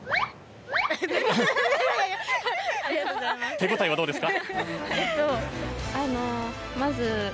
手応えはどうですか？